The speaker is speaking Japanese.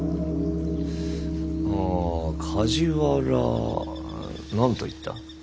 ああ梶原何といった？